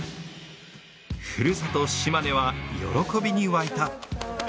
ふるさと・島根は喜びに沸いた。